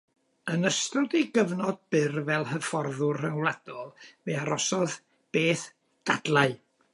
Yn ystod ei gyfnod byr fel hyfforddwr rhyngwladol, fe achosodd beth dadlau.